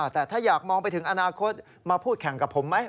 แต่ถ้าอยากมองไปถึงอนาคตมาพูดแข่งกับผมไหม